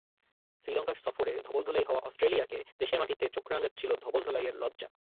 শ্রীলঙ্কা সফরে ধবলধোলাই হওয়া অস্ট্রেলিয়াকে দেশের মাটিতেও চোখ রাঙাছিল ধবলধোলাইয়ের লজ্জা।